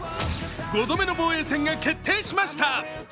５度目の防衛戦が決定しました。